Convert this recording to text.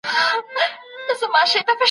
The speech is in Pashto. دورکهايم بيولوژيکي علتونه رد کړل.